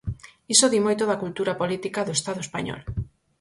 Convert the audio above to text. Iso di moito da cultura política do Estado español.